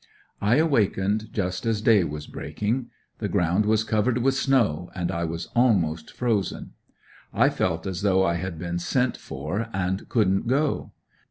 I awakened just as day was breaking. The ground was covered with snow, and I was almost frozen. I felt as though I had been sent for and couldn't go.